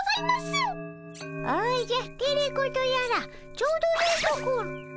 おじゃテレ子とやらちょうどよいところ。